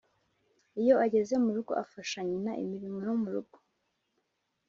Iyo ageze mu rugo afasha nyina imirimo yo mu rugo